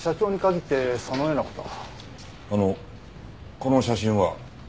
あのこの写真は？